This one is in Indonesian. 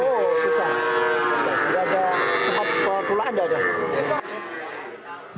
oh susah sudah ada tempat perulahan